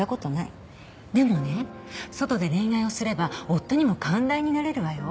でもね外で恋愛をすれば夫にも寛大になれるわよ。